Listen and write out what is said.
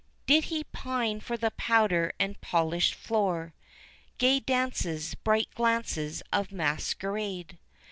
Did he pine for the powder and polished floor, Gay dances, bright glances of masquerade?